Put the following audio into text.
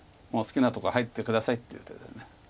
「もう好きなとこ入って下さい」っていう手で。